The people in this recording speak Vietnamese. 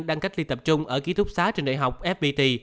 đang cách ly tập trung ở ký thúc xá trên đại học fpt